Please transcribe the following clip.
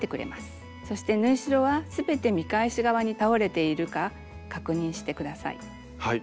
そして縫い代は全て見返し側に倒れているか確認して下さい。